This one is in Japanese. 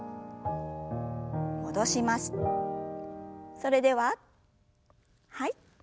それでははい。